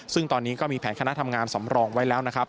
ซึ่งตอนนี้ก็มีแผนคณะทำงานสำรองไว้แล้วนะครับ